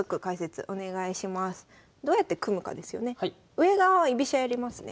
上側は居飛車やりますね。